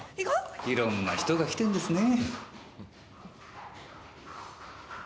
いろんな人が来てんですね。